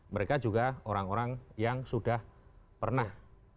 mereka juga orang orang yang sudah pernah